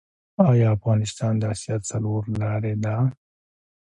آیا افغانستان د اسیا څلور لارې ده؟